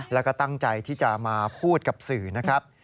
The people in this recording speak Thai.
แล้วก็ตั้งใจที่จะมาพูดกับสื่อนะครับ